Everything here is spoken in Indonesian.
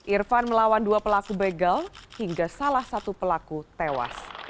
irfan melawan dua pelaku begal hingga salah satu pelaku tewas